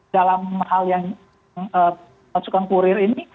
dalam hal yang masukkan courier ini